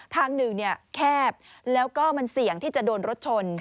ทางหนึ่งแคบแล้วก็มันเสี่ยงที่จะโดนรถชน